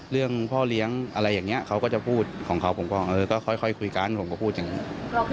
เรื่องของพ่อเลี้ยงอะไรอย่างเงี้ยเขาก็จะพูดเหรอเออขอว่าทุกครั้งก็ค่อยคุยกันก็พูดอย่างคนนี้